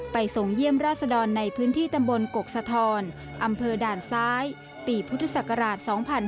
ส่งเยี่ยมราชดรในพื้นที่ตำบลกกสะทอนอำเภอด่านซ้ายปีพุทธศักราช๒๕๕๙